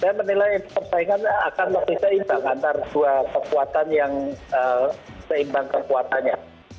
saya menilai persaingan akan lebih seimbang antara dua kekuatan yang seimbang kekuatannya